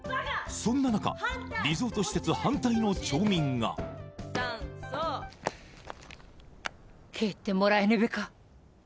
そんな中リゾート施設反対の町民が帰ってもらえねべか？